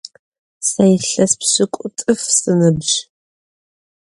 Se yilhes pş'ık'utf sınıbj.